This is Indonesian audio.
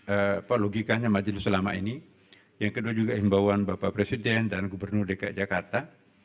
apa logikanya majelis selama ini yang kedua juga imbauan bapak presiden dan gubernur dki jakarta